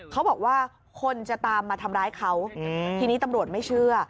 เขาบอกว่าคนจะตามมาทำร้ายเขาทีนี้ตำรวจไม่เชื่อ